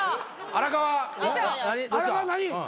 荒川何？